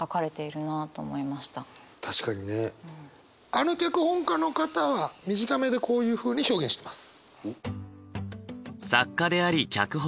あの脚本家の方は短めでこういうふうに表現してます。